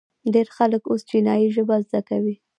ډیر خلک اوس چینایي ژبه زده کوي.